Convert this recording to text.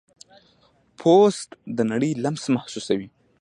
پوست د نړۍ لمس محسوسوي.